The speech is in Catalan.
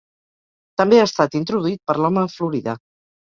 També ha estat introduït per l'home a Florida.